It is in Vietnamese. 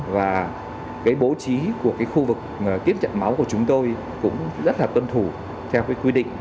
và cái bố trí của khu vực tiếp nhận máu của chúng tôi cũng rất là tuân thủ theo quy định